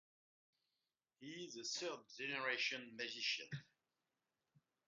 He is a third-generation magician.